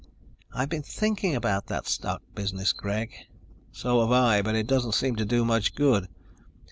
"I've been thinking about that stock business, Greg." "So have I, but it doesn't seem to do much good."